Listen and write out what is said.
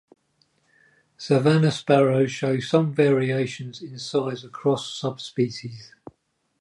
Savannah sparrows show some variation in size across subspecies.